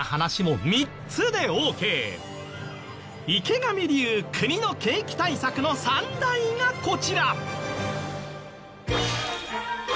池上流国の景気対策の３大がこちら。